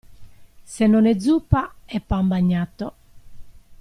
Se non è zuppa è pan bagnato.